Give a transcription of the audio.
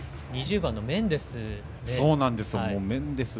２０番のメンデス。